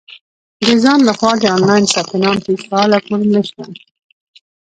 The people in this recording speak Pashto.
• د ځان له خوا د آنلاین ثبت نام هېڅ فعاله فورم نشته.